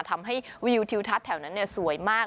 ทำให้วิวทิวทัศน์แถวนั้นสวยมาก